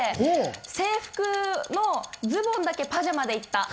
制服のズボンだけパジャマで行った。